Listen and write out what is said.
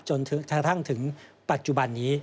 จนถึงถึงปัจจุบันนี้